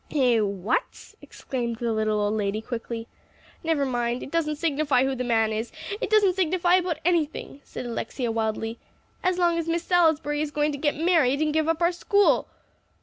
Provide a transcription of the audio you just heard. "Eh what?" exclaimed the little old lady quickly. "Never mind. It doesn't signify who the man is. It doesn't signify about anything," said Alexia wildly, "as long as Miss Salisbury is going to get married and give up our school."